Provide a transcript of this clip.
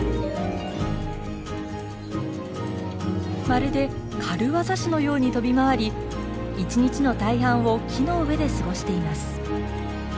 まるで軽業師のように跳び回り一日の大半を木の上で過ごしています。